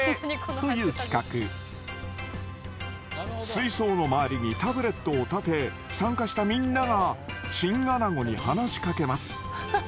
水槽の周りにタブレットを立て参加したみんながチンアナゴに話しかけます。